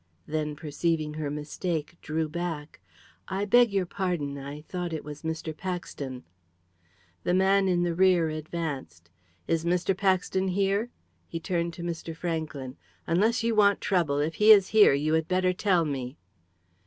Then, perceiving her mistake, drew back. "I beg your pardon, I thought it was Mr. Paxton." The man in the rear advanced. "Is Mr. Paxton here?" He turned to Mr. Franklyn. "Unless you want trouble, if he is here, you had better tell me."